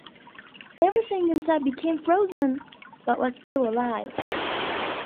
Everything inside became frozen, but was still alive.